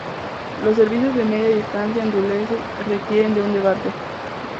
los servicios de media distancia andaluces requieren de un debate